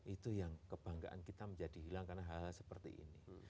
itu yang kebanggaan kita menjadi hilang karena hal hal seperti ini